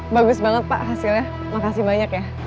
bagus banget pak hasilnya makasih banyak ya